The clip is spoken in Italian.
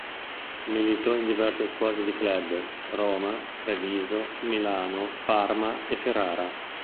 Militò in diverse squadre di club: Roma, Treviso, Milano, Parma e Ferrara.